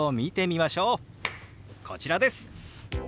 こちらです！